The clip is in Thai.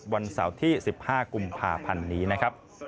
วันเสาร์ที่๑๕กุมภาพันธ์นี้นะครับ